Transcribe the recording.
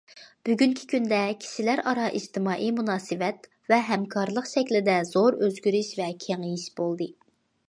بۈگۈنكى كۈندە كىشىلەر ئارا ئىجتىمائىي مۇناسىۋەت ۋە ھەمكارلىق شەكلىدە زور ئۆزگىرىش ۋە كېڭىيىش بولدى.